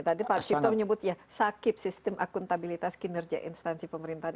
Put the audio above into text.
tadi pak cipto menyebut ya sakit sistem akuntabilitas kinerja instansi pemerintahan